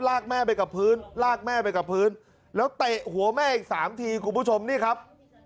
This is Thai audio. ลากแม่ไปกับพื้นแล้วเตะหัวแม่อีก๓ทีคุณผู้ชมนี่ครับ